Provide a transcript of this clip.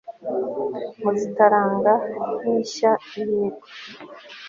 muzitaranga nk'isha ihigwa